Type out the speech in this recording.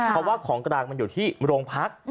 เพราะว่าของกลางมันอยู่ที่โรงพัก